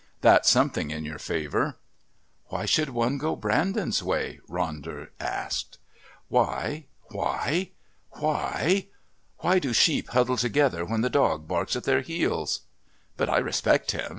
That's something in your favour." "Why should one go Brandon's way?" Ronder asked. "Why? Why? Why? Why do sheep huddle together when the dog barks at their heels?...But I respect him.